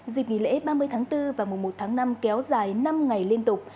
dịp nghỉ lễ ba mươi tháng bốn và mùa một tháng năm kéo dài năm ngày liên tục